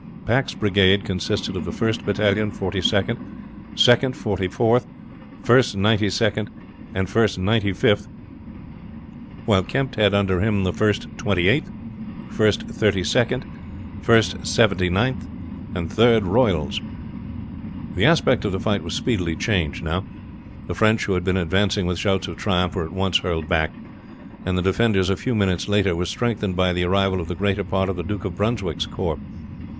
Pack's brigade consisted of the first battalion Forty second, second Forty fourth, first Ninety second, and first Ninety fifth, while Kempt had under him the first Twenty eighth, first Thirty second, first Seventy ninth, and Third Royals. The aspect of the fight was speedily changed now. The French, who had been advancing with shouts of triumph, were at once hurled back, and the defenders a few minutes later were strengthened by the arrival of the greater part of the Duke of Brunswick's corps.